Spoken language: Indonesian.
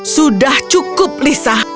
sudah cukup lisa